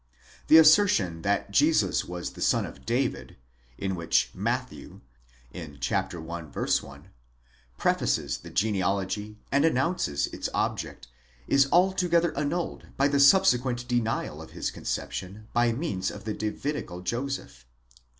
'The assertion that Jesus was the son of David, vids Δαβὶδ, which in Matthew (i. 1) prefaces the genealogy and announces its object, is altogether annulled by the subsequent denial of his conception by means of the Davidical Joseph.